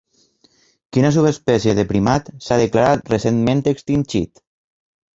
Quina subespècie de primat s'ha declarat recentment extingit?